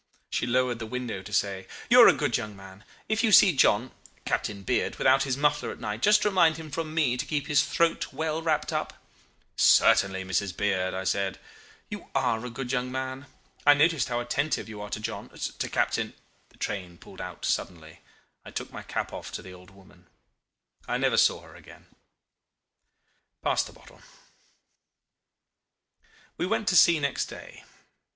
She lowered the window to say, 'You are a good young man. If you see John Captain Beard without his muffler at night, just remind him from me to keep his throat well wrapped up.' 'Certainly, Mrs. Beard,' I said. 'You are a good young man; I noticed how attentive you are to John to Captain ' The train pulled out suddenly; I took my cap off to the old woman: I never saw her again... Pass the bottle. "We went to sea next day.